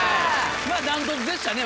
断トツでしたね